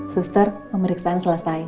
suster pemeriksaan selesai